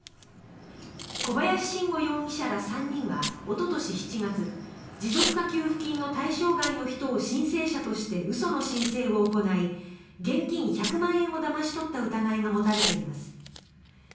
小林伸吾容疑者ら３人はおととし７月持続化給付金の対象外の人を申請者として嘘の申請を行い現金１００万円をだまし取った疑いが持たれています。